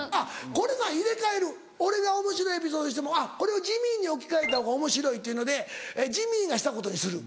これな入れ替える俺がおもしろいエピソードだとしてもこれをジミーに置き換えたほうがおもしろいっていうのでジミーがしたことにする。